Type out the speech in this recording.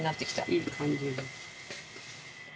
いい感じで。